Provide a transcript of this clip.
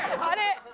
あれ。